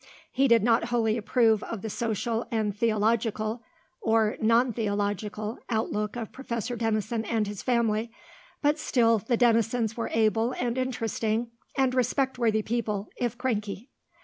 He did not wholly approve of the social and theological, or non theological, outlook of Professor Denison and his family; but still, the Denisons were able and interesting and respect worthy people, if cranky.